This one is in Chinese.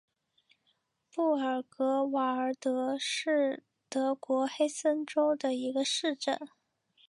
布尔格瓦尔德是德国黑森州的一个市镇。